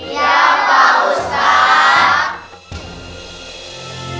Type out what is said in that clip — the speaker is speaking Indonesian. iya pak ustadz